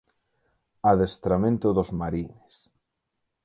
Adestramento dos 'marines'.